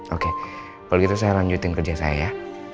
oke kalau gitu saya lanjutin kerja saya